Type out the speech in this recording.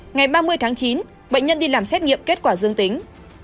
ngày ba mươi tháng chín bệnh nhân đi làm xét nghiệm kết quả dương tính